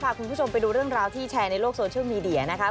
คุณผู้ชมไปดูเรื่องราวที่แชร์ในโลกโซเชียลมีเดียนะคะ